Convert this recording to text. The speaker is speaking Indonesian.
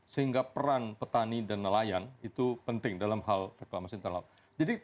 sehingga peran petani dan nelayan itu penting dalam hal reklamasi internet